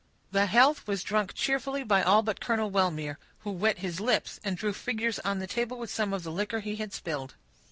The health was drunk cheerfully by all but Colonel Wellmere, who wet his lips, and drew figures on the table with some of the liquor he had spilled.